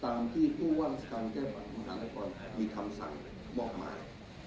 ตามที่ผู้ว่ารัฐการเที่ยวบรรณครบันตรีมีคำสั่งมอบหมาย